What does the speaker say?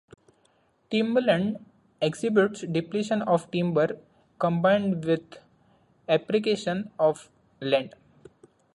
Timberland exhibits depletion of timber combined with appreciation of land.